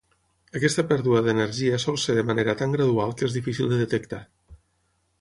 Aquesta pèrdua d'energia sol ser de manera tan gradual que és difícil de detectar.